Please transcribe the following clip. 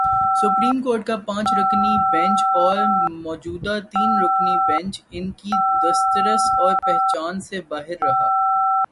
Supreme court کا پانچ رکنی بینچ اور موجودہ تین رکنی بینچ ان کی دسترس اور پہنچ سے باہر رہا۔